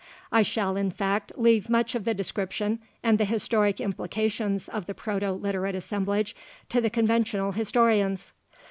I shall, in fact, leave much of the description and the historic implications of the Proto Literate assemblage to the conventional historians.